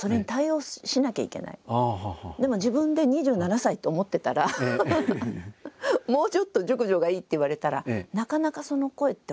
でも自分で２７歳って思ってたら「もうちょっと熟女がいい」って言われたらなかなかその声って私の場合はね